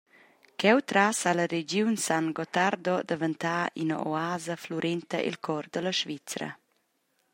Cheutras sa la regiun San Gottardo daventar ina «oasa» flurenta el cor dalla Svizra.